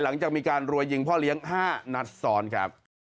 หลังจากมีการรวยยิงพ่อเลี้ยง๕นัดซ้อนครับ